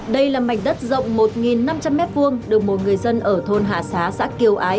đây là mảnh đất rộng một năm trăm linh m hai được một người dân ở thôn hạ xá xã kiều ái